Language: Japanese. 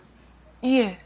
いえ。